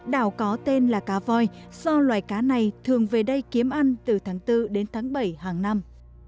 đảo có tên là cá voi do loài cá này thường về đây kiếm ăn từ tháng bốn đến tháng bảy hàng năm